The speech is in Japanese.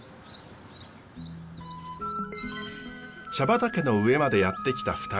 茶畑の上までやって来た２人。